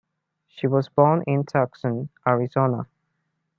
She was born in Tucson, Arizona.